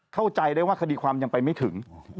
เข้าใจได้ว่าคดีความยังไปไม่ถึง